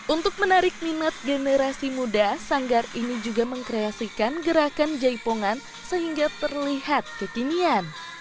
untuk menarik minat generasi muda sanggar ini juga mengkreasikan gerakan jaipongan sehingga terlihat kekinian